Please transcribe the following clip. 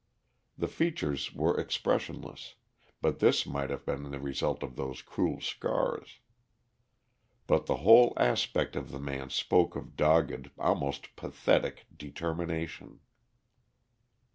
The features were expressionless, but this might have been the result of those cruel scars. But the whole aspect of the man spoke of dogged, almost pathetic, determination.